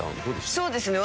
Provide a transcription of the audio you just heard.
そうですね